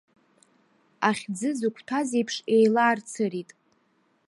Ахьӡы зықәҭәаз иеиԥш еилаарцырит.